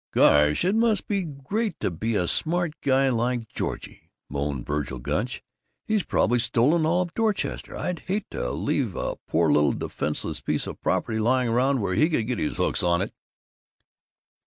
"Gosh, it must be great to be a smart guy like Georgie!" moaned Vergil Gunch. "He's probably stolen all of Dorchester. I'd hate to leave a poor little defenseless piece of property lying around where he could get his hooks on it!"